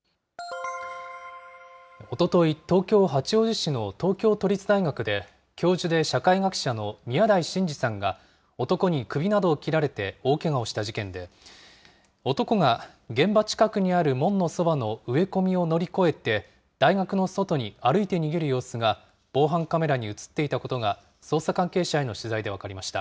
おととい、東京・八王子市の東京都立大学で、教授で社会学者の宮台真司さんが、男に首などを切られて大けがをした事件で、男が現場近くにある門のそばの植え込みを乗り越えて、大学の外に歩いて逃げる様子が、防犯カメラに写っていたことが、捜査関係者への取材で分かりました。